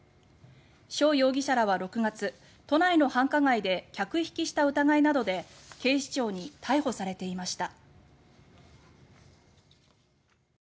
ショウ容疑者らは６月都内の繁華街で客引きした疑いなどで警視庁に逮捕されていました。